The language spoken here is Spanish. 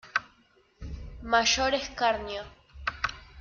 mayor escarnio.